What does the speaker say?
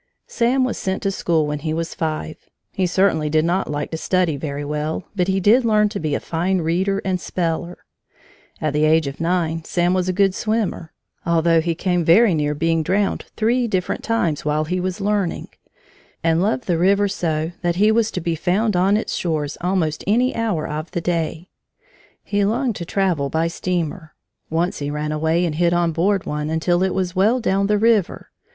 Sam was sent to school when he was five. He certainly did not like to study very well but did learn to be a fine reader and speller. At the age of nine, Sam was a good swimmer (although he came very near being drowned three different times, while he was learning) and loved the river so that he was to be found on its shore almost any hour of the day. He longed to travel by steamer. Once he ran away and hid on board one until it was well down the river.